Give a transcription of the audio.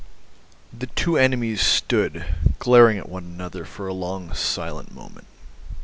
The two enemies stood glaring at one another for a long silent moment.